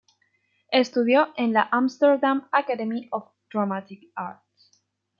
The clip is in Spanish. Estudió en la Amsterdam Academy of Dramatic Arts.